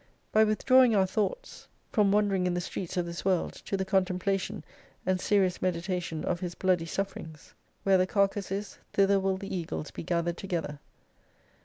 By withdrawing our thoughts 39 {rom wandering in the streets of this World, to the contemplation and serious meditation of His bloody sufferings. Where the carcase is thither will the eagles be gathered together.